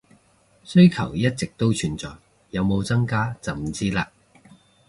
需求一直都存在，有冇增加就唔知喇